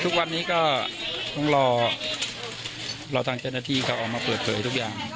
ทุกวันนี้ก็ต้องรอรอทางเจ้าหน้าที่เขาออกมาเปิดเผยทุกอย่าง